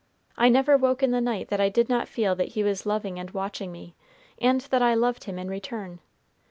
I never woke in the night that I did not feel that He was loving and watching me, and that I loved Him in return.